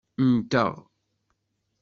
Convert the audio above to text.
Nteɣ.